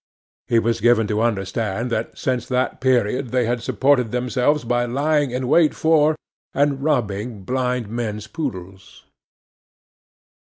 He was given to understand that since that period they had supported themselves by lying in wait for and robbing blind men's poodles.